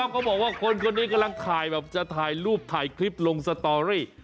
เขาบอกว่าคนคนนี้กำลังถ่ายแบบจะถ่ายรูปถ่ายคลิปลงสตอรี่